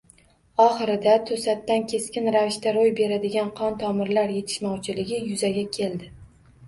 Oxirida to‘satdan keskin ravishda ro‘y beradigan qon tomirlar yetishmovchiligi yuzaga keldi